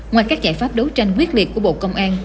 ngoài các giải pháp đấu tranh quyết liệt của bộ công an